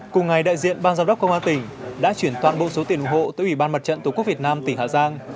cùng ngày đại diện ban giám đốc công an tỉnh đã chuyển toàn bộ số tiền ủng hộ tới ủy ban mặt trận tổ quốc việt nam tỉnh hà giang